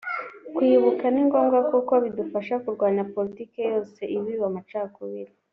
Kwibuka ni ngombwa kuko bidufasha kurwanya politiki yose ibiba amacakubiri